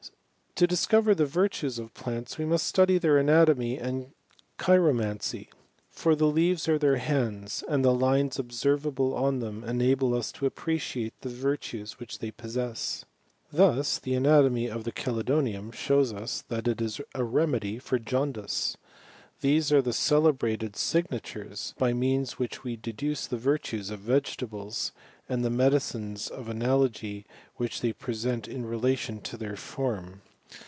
To discover the virtues of plants, we must study their anatomv and cheiromancv ; for the leaves are their hands, and the lines observable on them enable us to appreciate the virtues which they possess. Thus the anatomv of the ckelidomium shows us that it is a remeilv for jaundice. These are the celebrated signa tures \>\ means of which we deduce the virtues of vegetables, and the medicines of anak^ which they present in relation to their form.